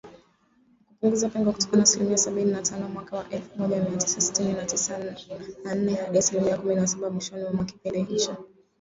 kupunguza pengo kutoka asilimia sabini na tano mwaka wa elfu moja mia tisa tisini na nne hadi asilimia kumi na saba mwishoni mwa kipindi hicho.